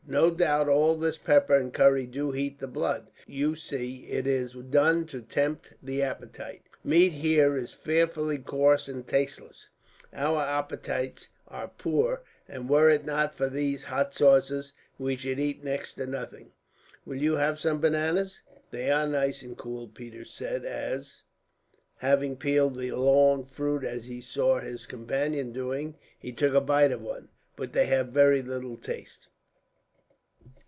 "No doubt all this pepper and curry do heat the blood; but you see, it is done to tempt the appetite. Meat here is fearfully coarse and tasteless. Our appetites are poor, and were it not for these hot sauces, we should eat next to nothing. "Will you have some bananas?" "They are nice and cool," Peters said as, having peeled the long fruit as he saw his companion doing, he took a bite of one; "but they have very little taste."